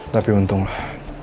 tapi untung lah